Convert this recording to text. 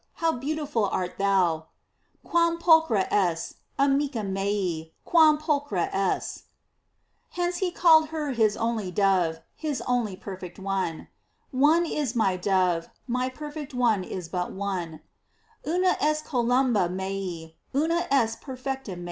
how beautiful art thou! "Quam pulchra es, arnica mea, quam pulchra es."f Hence he called her his only dove, his only perfect one: One is my dove; my perfect one is but one: " Unaest columba mea, una est perfecta mea."